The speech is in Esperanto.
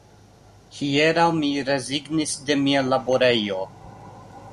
Hieraŭ mi rezignis de mia laborejo